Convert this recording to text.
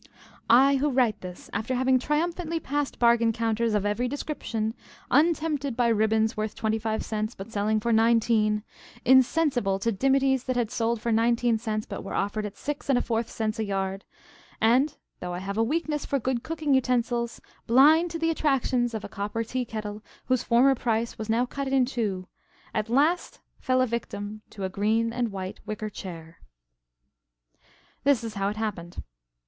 I who write this, after having triumphantly passed bargain counters of every description, untempted by ribbons worth twenty five cents but selling for nineteen, insensible to dimities that had sold for nineteen cents but were offered at six and a fourth cents a yard, and though I have a weakness for good cooking utensils blind to the attractions of a copper tea kettle whose former price was now cut in two, at last fell a victim to a green and white wicker chair. This is how it happened.